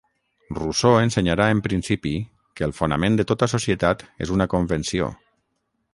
Rousseau ensenyarà en principi que el fonament de tota societat és una convenció.